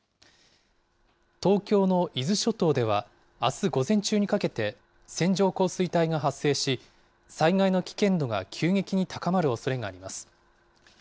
東京の伊豆諸島ではあす午前中にかけて、線状降水帯が発生し、災害の危険度が急激に高まるおそれがあります。